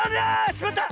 しまった！